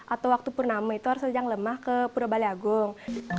atau waktu purnama itu harus rejang lemah ke pura balai agung